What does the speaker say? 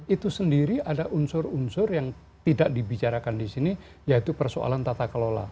itu sendiri ada unsur unsur yang tidak dibicarakan di sini yaitu persoalan tata kelola